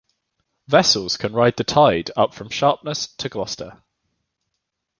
Vessels can ride the tide up from Sharpness to Gloucester.